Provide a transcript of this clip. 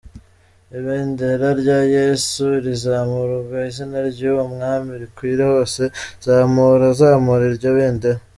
"Ibendera rya Yesu rizamurwe izina ry’uwo mwami rikwire hose, zamura zamura iryo bendera.